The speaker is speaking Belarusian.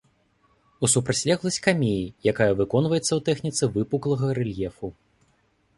У супрацьлегласць камеі, якая выконваецца ў тэхніцы выпуклага рэльефу.